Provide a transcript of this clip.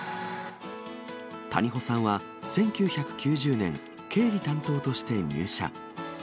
谷保さんは１９９０年、経理担当として入社。